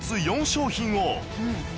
４商品を